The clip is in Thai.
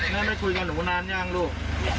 แม่ได้คุยกับหนูนานยังลูก